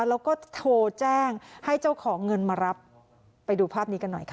แล้วก็โทรแจ้งให้เจ้าของเงินมารับไปดูภาพนี้กันหน่อยค่ะ